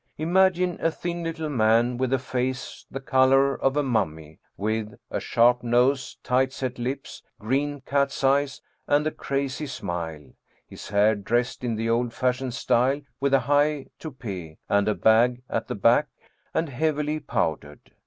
Imagine a thin little man with a face the color of a mummy, with a sharp nose, tight set lips, green cat's eyes, and a crazy smile ; his hair dressed in the old fashioned style with a high toupet and a bag at the back, and heavily powdered.